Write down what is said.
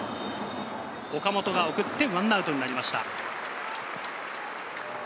岡本が送って１アウトになりました。